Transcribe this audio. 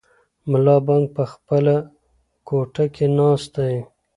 ملا بانګ په خپله کوټه کې ناست دی.